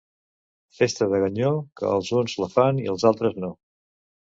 Festa de ganyó, que els uns la fan i els altres no.